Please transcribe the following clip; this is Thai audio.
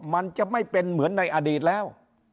มันจะไม่เป็นเหมือนในอดีตแล้ว